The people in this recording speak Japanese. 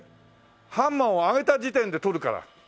ハンマーを上げた時点で撮るから。